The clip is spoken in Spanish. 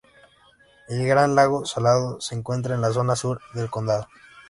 El Gran Lago Salado se encuentra en la zona Sur del condado.